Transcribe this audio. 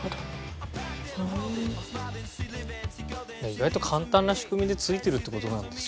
意外と簡単な仕組みで付いてるって事なんですよ。